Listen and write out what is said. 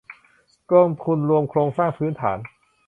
กองทุนรวมโครงสร้างพื้นฐาน